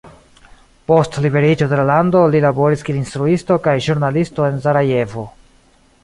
Post liberiĝo de la lando li laboris kiel instruisto kaj ĵurnalisto en Sarajevo.